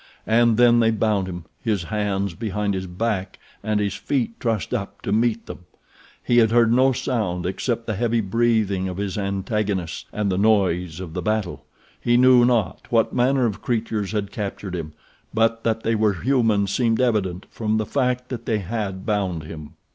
And then they bound him—his hands behind his back and his feet trussed up to meet them. He had heard no sound except the heavy breathing of his antagonists, and the noise of the battle. He knew not what manner of creatures had captured him, but that they were human seemed evident from the fact that they had bound him.